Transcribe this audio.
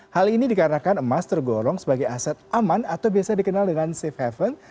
hal ini dikarenakan emas tergolong sebagai aset aman atau biasa dikenal dengan safe haven